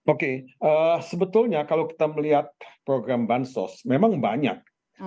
oke sebetulnya kalau kita melihat program bansos memang banyak